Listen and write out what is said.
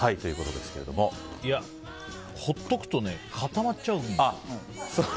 ほっとくと固まっちゃうんです。